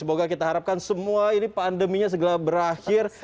semoga kita harapkan semua ini pandeminya segera berakhir